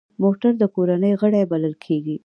موټر د کورنۍ غړی بلل کېږي.